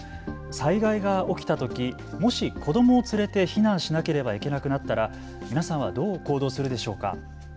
災害が起きたとき、もし子どもを連れて避難しなければいけなくなったら、皆さんはどう行動するでしょうか。